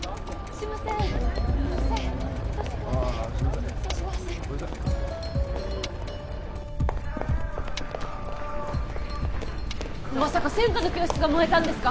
すいませんごめんなさいまさか専科の教室が燃えたんですか？